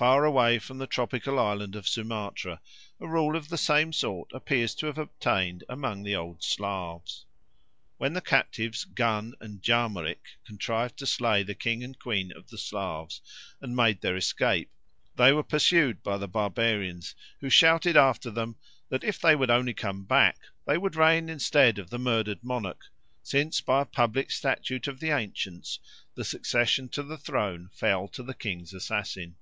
Far away from the tropical island of Sumatra a rule of the same sort appears to have obtained among the old Slavs. When the captives Gunn and Jarmerik contrived to slay the king and queen of the Slavs and made their escape, they were pursued by the barbarians, who shouted after them that if they would only come back they would reign instead of the murdered monarch, since by a public statute of the ancients the succession to the throne fell to the king's assassin.